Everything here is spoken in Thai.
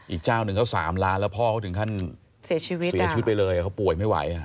อีกเจ้าหนึ่งเขาสามล้านแล้วพ่อเขาถึงขั้นเสียชีวิตเสียชีวิตไปเลยเขาป่วยไม่ไหว